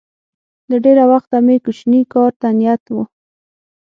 له ډېره وخته مې کوچني کار ته نیت و